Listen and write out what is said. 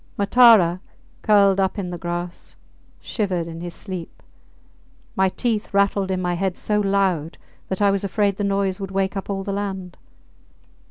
Matara, curled up in the grass, shivered in his sleep. My teeth rattled in my head so loud that I was afraid the noise would wake up all the land.